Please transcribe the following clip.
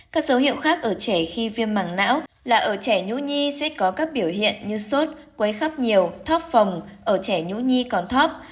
các dấu hiệu khác ở trẻ khi viêm mẳng não là ở trẻ nhũ nhi sẽ có các biểu hiện như sốt quấy khắp nhiều thóp phồng ở trẻ nhũ nhi còn thóp